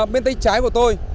bên tay trái của tôi